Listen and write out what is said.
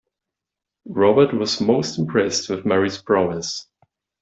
Robert was most impressed with Mary's prowess.